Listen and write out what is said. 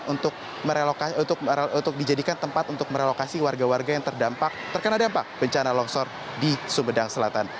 untuk dijadikan tempat untuk merelokasi warga warga yang terkena dampak bencana longsor di sumedang selatan